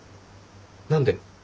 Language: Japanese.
何で？